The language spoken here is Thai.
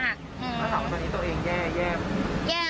หรือว่าตอนนี้ตัวเองแย่หรือ